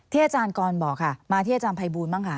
ที่อาจารย์ก่อนบอกมาที่อาจารย์ภัยบูรณ์บ้าง